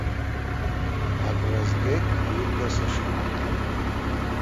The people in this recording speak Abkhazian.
Агәра згеит уда сышхәарҭам!